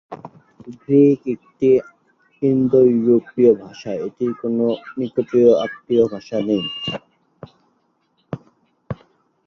Greek একটি ইন্দো-ইউরোপীয় ভাষা, কিন্তু এটির কোন নিকটাত্মীয় ভাষা নেই।